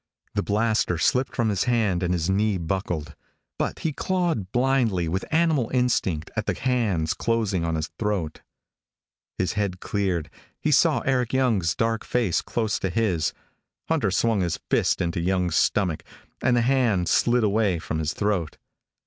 The blaster slipped from his hand and his knees buckled. But he clawed blindly, with animal instinct, at the hands closing on his throat. His head cleared. He saw Eric Young's dark face close to his. Hunter swung his fist into Young's stomach, and the hands slid away from his throat.